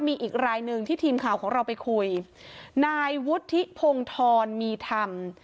มีอีกรายหนึ่งที่ทีมข่าวของเราไปคุยนายวุฒิพงธรมีธรรม